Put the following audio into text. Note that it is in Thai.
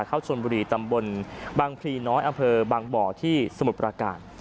เข้าชนบุรีตำบลบางพลีน้อยอำเภอบางบ่อที่สมุทรประการ